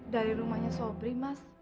dari rumahnya sobri mas